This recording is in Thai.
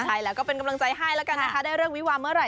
ใช่แล้วก็เป็นกำลังใจให้แล้วกันนะคะได้เรื่องวิวาเมื่อไห